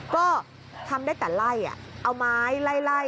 ก็ทำได้แต่ไล่เอาไม้ไล่